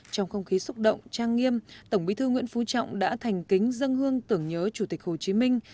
trong không khí xúc động trang nghiêm tổng bí thư nguyễn phú trọng đã thành kính dân hương tưởng nhớ chủ tịch hồ chí minh